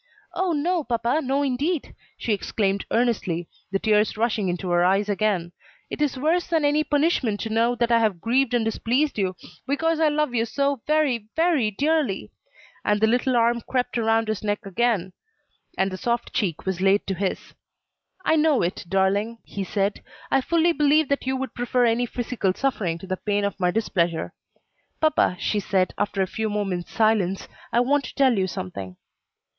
"Oh, no, papa! no indeed!" she exclaimed earnestly, the tears rushing into her eyes again; "it is worse than any punishment to know that I have grieved and displeased you, because I love you so very, very dearly!" and the little arm crept round his neck again, and the soft cheek was laid to his. "I know it, darling," he said, "I fully believe that you would prefer any physical suffering to the pain of my displeasure." "Papa," she said, after a few moments' silence, "I want to tell you something."